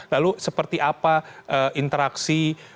lalu seperti apa interaksi